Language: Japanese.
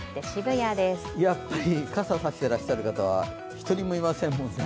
やっぱり傘を差していらっしゃる方は一人もいませんね。